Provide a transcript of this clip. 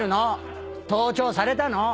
盗聴されたの！